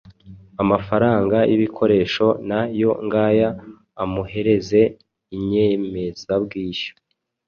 Amafaranga y’ibikoresho na yo ngaya Amuhereze inyemezabwishyu